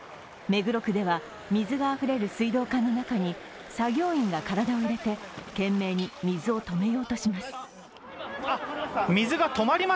目黒区では水があふれる水道管の中に作業員が体を入れて懸命に水を止めようとします。